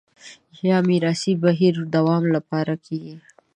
یا میراثي بهیر دوام لپاره کېږي